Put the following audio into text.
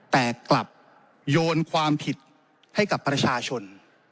แต่กลับโยนความผิดให้กับประชาชน